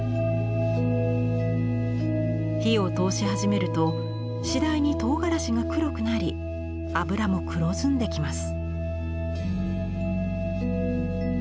火を通し始めると次第に唐辛子が黒くなり油も黒ずんできます。